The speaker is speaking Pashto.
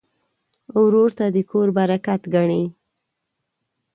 ورور ته د کور برکت ګڼې.